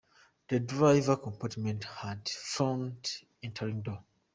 The drivers compartment had a front entering door.